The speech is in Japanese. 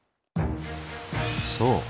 そう。